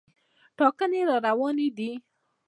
ټاکنې راروانې دي.